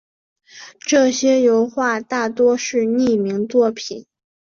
这些油画大多是匿名作品。